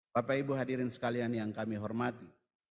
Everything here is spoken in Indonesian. bapak ibu hadirin sekalian yang kami hormati